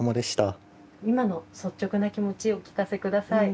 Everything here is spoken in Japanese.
今の率直な気持ちお聞かせ下さい。